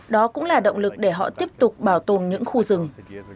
đó cũng là động lực để họ tiếp tục bảo tồn những khu rừng